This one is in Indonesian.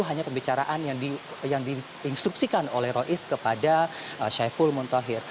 hanya pembicaraan yang diinstruksikan oleh rois kepada saiful muntohir